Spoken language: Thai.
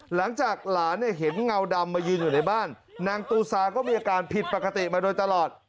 หลังจากหลานเนี่ยเห็นเงาดำมายืนอยู่ในบ้านนางตูซาก็มีอาการผิดปกติมาโดยตลอด